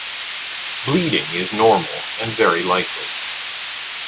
Bleeding is normal and very likely.